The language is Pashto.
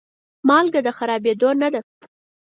مالګه د خرابېدو نه ده.